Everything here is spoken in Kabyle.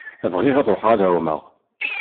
Bɣiɣ ad ṛuḥeɣ ad ɛummeɣ.